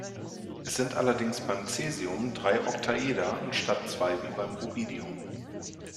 Es sind allerdings beim Caesium drei Oktaeder anstatt zwei wie beim Rubidium.